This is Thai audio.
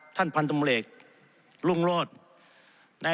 ท่านพันธมศิลปริจิรุงโลศพุทธิยาวัฒนภาษี